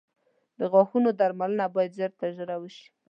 • د غاښونو درملنه باید ژر تر ژره وشي.